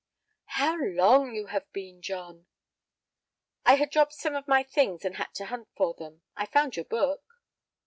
"How long you have been, John!" "I had dropped some of my things and had to hunt for them. I found your book."